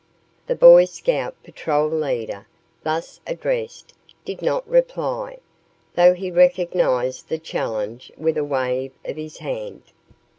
The Boy Scout patrol leader thus addressed did not reply, though he recognized the challenge with a wave of his hand.